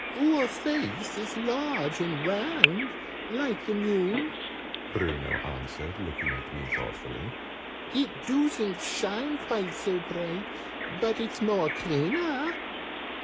"Oor face is large and round like the moon," Bruno answered, looking at me thoughtfully. "It doosn't shine quite so bright but it's more cleaner."